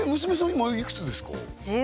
今いくつですか？